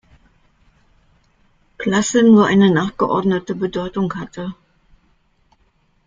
Klasse nur eine nachgeordnete Bedeutung hatte.